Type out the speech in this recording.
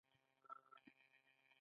آیا ایران د شطرنج اتلان نلري؟